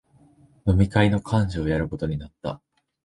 飲み会の幹事をやることになった